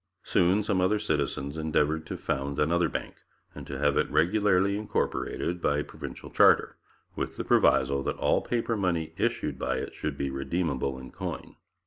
Soon some other citizens endeavoured to found another bank and to have it regularly incorporated by provincial charter, with the proviso that all paper money issued by it should be redeemable in coin.